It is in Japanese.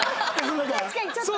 確かにちょっとね。